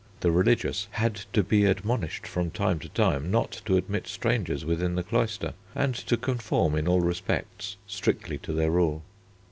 The religious had to be admonished from time to time not to admit strangers within the cloister, and to conform in all respects strictly to their rule.